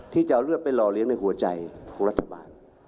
ที่จะเอาเลือดไปหล่อเลี้ยงในหัวใจของรัฐบาล